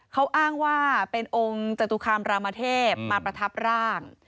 เขาอ้างว่าเป็นองค์จตุคามรามเทพมาประทับร่าง